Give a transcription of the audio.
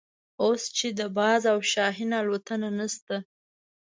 اوس چې د باز او شاهین الوتنه نشته.